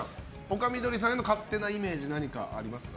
丘みどりさんへの勝手なイメージは何かありますか？